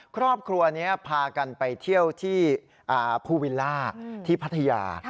ครอบครัวนี้พากันไปเที่ยวที่ภูวิลล่าที่พัทยา